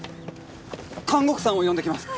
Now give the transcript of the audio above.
看護婦さんを呼んできます！